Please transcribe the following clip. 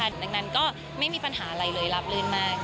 ดังนั้นก็ไม่มีปัญหาอะไรเลยรับลื่นมาก